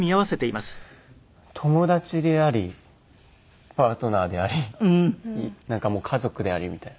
友達でありパートナーでありなんかもう家族でありみたいな。